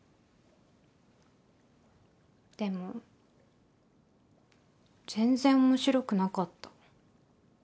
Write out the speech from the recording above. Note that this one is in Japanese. でも全然面白くなかった。